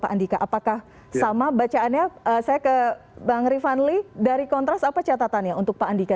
pak andika apakah sama bacaannya saya ke bang rifanli dari kontras apa catatannya untuk pak andika